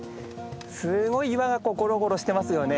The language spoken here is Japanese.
すごい岩がゴロゴロしてますよね。